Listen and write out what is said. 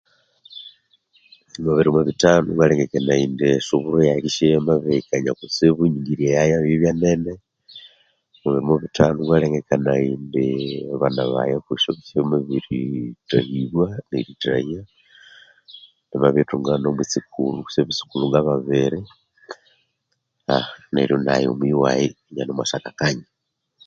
Omwa birimo bithano ngalengekanaya indi esuburo yayi yikendisabya iyamabiri kanya kutsibu, enyingirya yayi iyamabiribya nene, omwa birimo bithano ngalengekanaya indi abana baghe abosi bakendisabya ibamabirithahibwa nerithahya, ngendi sabya inamabiri thunga nomwitsikulhu kwesi abatsikulhu ngababiri, aa Neryo nayi omuyi wayi inanemwasa akakanya.